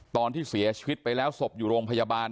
ตอนที่เสียชีวิตไปแล้วศพอยู่โรงพยาบาล